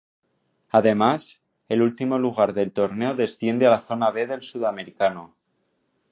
Además, el último lugar del torneo desciende a la Zona B del Sudamericano.